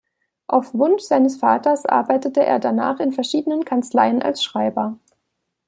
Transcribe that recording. Auf Wunsch seines Vaters arbeitete er danach in verschiedenen Kanzleien als Schreiber.